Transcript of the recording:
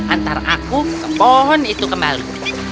antara aku ke pohon itu kembali